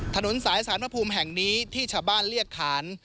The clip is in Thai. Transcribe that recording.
ถนนสายสารพระภูมิแห่งนี้ที่ชาวบ้านเรียกขาน